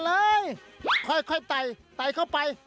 สวัสดีครับ